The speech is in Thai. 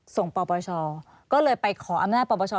ปปชก็เลยไปขออำนาจปปช